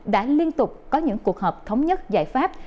đã liên tục có những cuộc họp thống nhất giải pháp